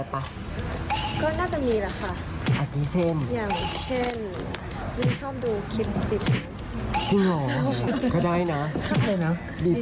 ก็น่าจะมีแหละค่ะอย่างเช่นนี่ชอบดูคลิปดิบซิล